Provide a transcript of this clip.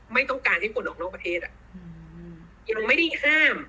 ไม่ต้องการให้คนออกนอกประเทศอ่ะยังไม่ได้ห้าม